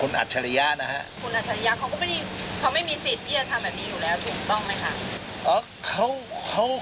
คุณอัชริยาเขาไม่มีสิทธิ์ที่จะทำแบบนี้อยู่แล้วถูกต้องไหมคะ